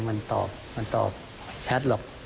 มันตอบชัดหรอก